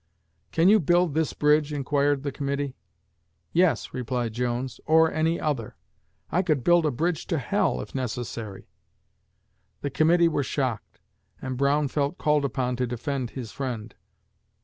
'Can you build this bridge?' inquired the committee. 'Yes,' replied Jones, 'or any other. I could build a bridge to h l, if necessary.' The committee were shocked, and Brown felt called upon to defend his friend.